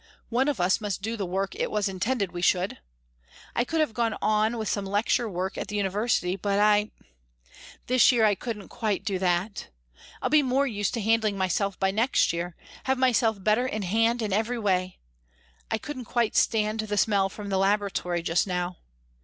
One of us must do the work it was intended we should. I could have gone on with some lecture work at the university, but I this year I couldn't quite do that. I'll be more used to handling myself by next year, have myself better in hand in every way. I couldn't quite stand the smell from the laboratory just now.